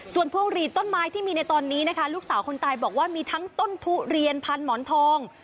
ส่วนพวงหลีดต้นไม้ที่มีในตอนนี้นะคะลูกสาวคนตายบอกว่ามีทั้งต้นทุเรียนพันหมอนทอง